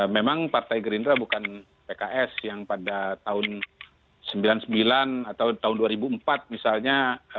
memang partai gerindra bukan pks yang pada tahun seribu sembilan ratus sembilan puluh sembilan atau tahun dua ribu empat misalnya